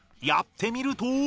やってみると。